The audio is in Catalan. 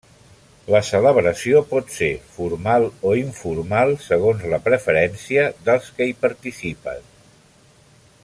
La celebració pot ser formal o informal, segons la preferència dels qui hi participen.